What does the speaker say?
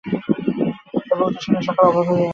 এইরূপ উত্তর শুনিয়া সকলে অবাক হইয়া গেল।